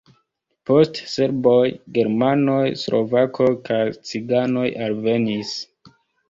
Poste serboj, germanoj, slovakoj kaj ciganoj alvenis.